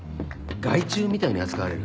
害虫みたいに扱われる。